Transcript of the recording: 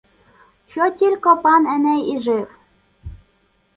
Що тілько пан Еней і жив!